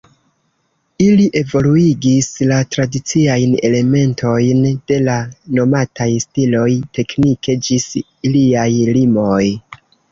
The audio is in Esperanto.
Ili evoluigis la tradiciajn elementojn de la nomataj stiloj teknike ĝis iliaj limoj.